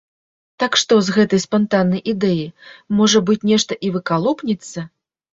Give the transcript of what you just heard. Так што, з гэтай спантаннай ідэі, можа быць, нешта і выкалупнецца.